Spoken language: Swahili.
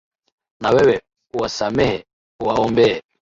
Na wewe uwasamehe, uwaombee.